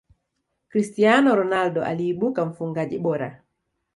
cristiano ronaldo aliibuka mfungaji bora